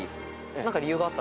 何か理由があった？